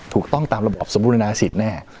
ถูกต้องตามระบอบสมบูรณาสิทธิแน่